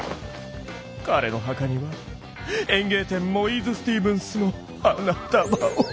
彼の墓には園芸店モイーズ・スティーブンスの花束を。